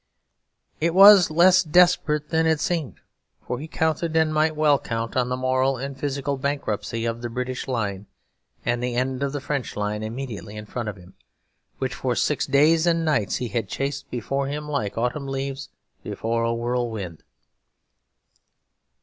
It was less desperate than it seemed; for he counted, and might well count, on the moral and physical bankruptcy of the British line and the end of the French line immediately in front of him, which for six days and nights he had chased before him like autumn leaves before a whirlwind.